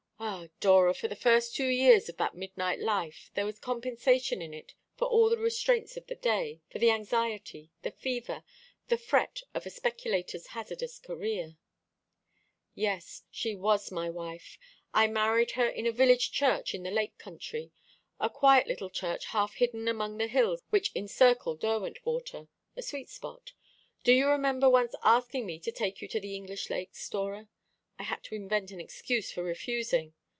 Ah, Dora, for the first two years of that midnight life there was compensation in it for all the restraints of the day, for the anxiety, the fever, the fret of a speculator's hazardous career. "Yes, she was my wife. I married her in a village church in the Lake country; a quiet little church half hidden among the hills which encircle Derwentwater a sweet spot. Do you remember once asking me to take you to the English Lakes, Dora? I had to invent an excuse for refusing.